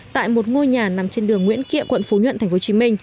tại một ngôi nhà nằm trên đường nguyễn kiệm quận phú nhuận tp hcm